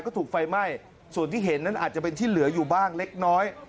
ก็ถูกไฟไหม้ส่วนที่เห็นนั้นอาจจะเป็นที่เหลืออยู่บ้างเล็กน้อย